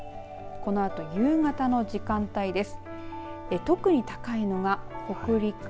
このあと夕方の時間帯です。